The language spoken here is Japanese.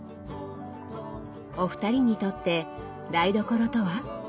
お二人にとって台所とは？